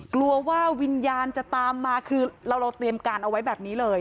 กลัวว่าวิญญาณจะตามมาคือเราเตรียมการเอาไว้แบบนี้เลย